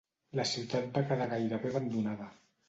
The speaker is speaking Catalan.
La ciutat va quedar gairebé abandonada.